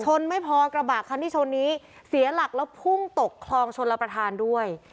ไม่พอกระบะคันที่ชนนี้เสียหลักแล้วพุ่งตกคลองชนรับประทานด้วย